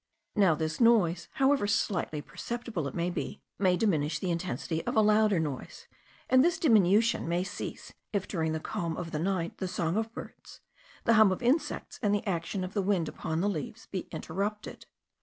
Now this noise, however slightly perceptible it may be, may diminish the intensity of a louder noise; and this diminution may cease if during the calm of the night the song of birds, the hum of insects, and the action of the wind upon the leaves be interrupted.